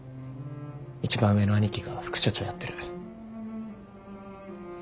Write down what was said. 一番上の兄貴が副社長やってる。